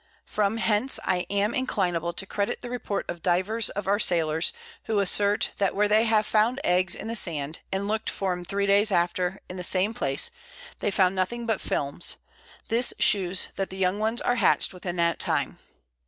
From hence I am inclinable to credit the Report of divers of our Sailors, who assert, that where they have found Eggs in the Sand, and look'd for 'em 3 Days after in the same place, they found nothing but Films; this shews that the young ones are hatch'd within that time.